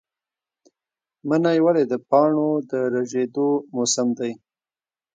منی ولې د پاڼو ریژیدو موسم دی؟